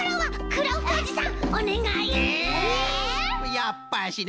やっぱしな。